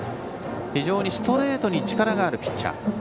非常にストレートに力があるピッチャー。